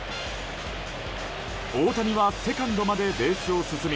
大谷はセカンドまでベースを進み